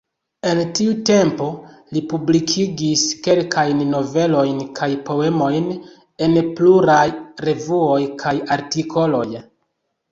En tiu tempo, li publikigis kelkajn novelojn kaj poemojn en pluraj revuoj kaj artikoloj.